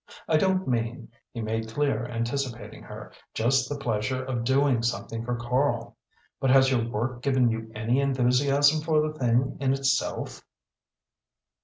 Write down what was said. I don't mean," he made clear, anticipating her, "just the pleasure of doing something for Karl. But has your work given you any enthusiasm for the thing in itself?"